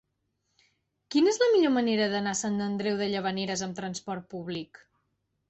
Quina és la millor manera d'anar a Sant Andreu de Llavaneres amb trasport públic?